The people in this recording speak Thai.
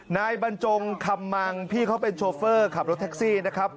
นายบรรจงคำมังพี่เขาเป็นโชเฟอร์ขับรถแท็กซี่นะครับ